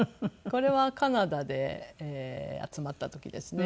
これはカナダで集まった時ですね。